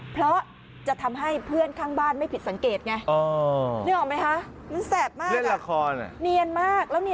เพราะจะทำให้เพื่อนข้างบ้านไม่ผิดสังเกตไง